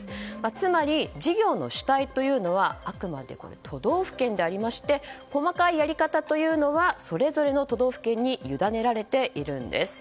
つまり、事業の主体というのはあくまで都道府県でありまして細かいやり方というのはそれぞれの都道府県に委ねられているんです。